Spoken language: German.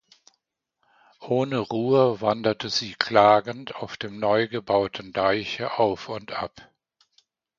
Ohne Ruhe wanderte sie klagend auf dem neu gebauten Deiche auf und ab.